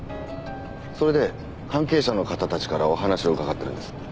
それで関係者の方たちからお話を伺っているんです。